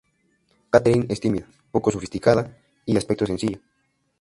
Catherine es tímida, poco sofisticada y de aspecto sencillo.